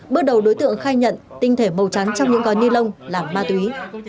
bước đầu đối tượng khai nhận tinh thể màu trắng trong những gói ni lông là ma túy